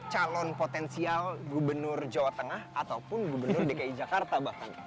dari segi kemampuan potensial gubernur jawa tengah ataupun gubernur dki jakarta bahkan